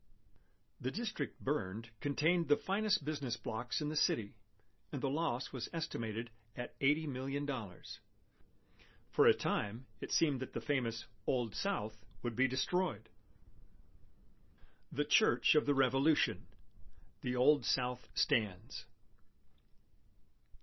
The district burned contained the finest business blocks in the city, and the loss was estimated at $80,000,000. For a time, it seemed that the famous "Old South" would be destroyed. THE CHURCH OF THE REVOLUTION "The Old South stands."